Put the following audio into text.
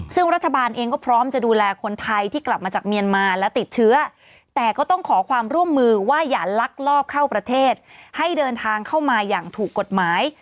ซึ่งรัฐบาลเองก็พร้อมจะดูแลคนไทยที่กลับมาจากเมียนมาและติดเชื้อแต่ก็ต้องขอความร่วมมือว่าอย่าลักลอบเข้าประเทศให้เดินทางเข้ามาอย่างถูกกฎหมาย